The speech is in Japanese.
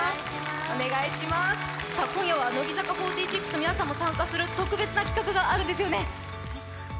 今夜は乃木坂４６の皆さんも参加する特別な企画があるんですよね。